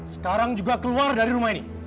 sekarang juga keluar dari rumah ini